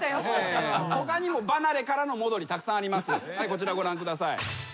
こちらご覧ください。